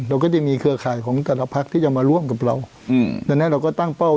เราก็จะมีเครือข่ายของแต่ละพักที่จะมาร่วมกับเราอืมดังนั้นเราก็ตั้งเป้า